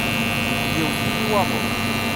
Yewwet-iyi waḍu.